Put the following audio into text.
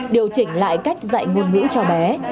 điều chỉnh lại cách dạy ngôn ngữ cho bé